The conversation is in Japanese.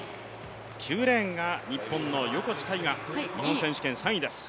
９レーンが日本の横地大雅日本選手権３位です。